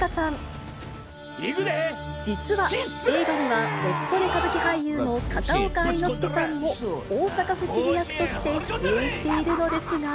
実は映画には夫で歌舞伎俳優の片岡愛之助さんも大阪府知事役として出演しているのですが。